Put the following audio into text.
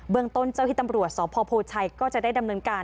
เมืองต้นเจ้าที่ตำรวจสพโพชัยก็จะได้ดำเนินการ